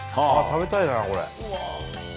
食べたいなこれ！